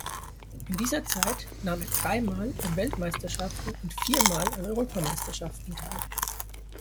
In dieser Zeit nahm er dreimal an Weltmeisterschaften und viermal an Europameisterschaften teil.